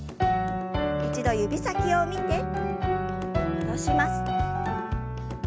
一度指先を見て戻します。